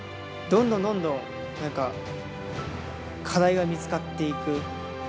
どんどんどんどん、なんか、課題が見つかっていく。